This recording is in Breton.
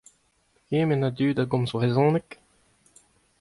Pegement a dud a gomz brezhoneg ?